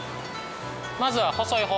まずは細い方。